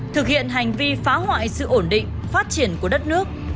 thực hiện hành vi phá hoại sự ổn định phát triển của đất nước